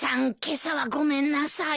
今朝はごめんなさい。